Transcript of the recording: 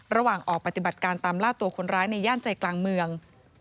ระหว่างออกปฏิบัติการตามล่าตัวคนร้ายในย่านใจกลางเมือง